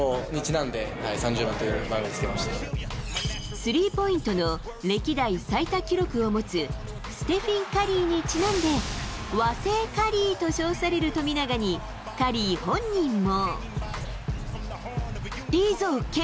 スリーポイントの歴代最多記録を持つ、ステフィン・カリーにちなんで、和製カリーと称される富永にカリー本人も。